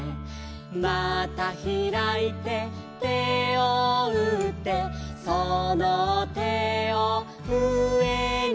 「またひらいて手をうって」「その手をうえに」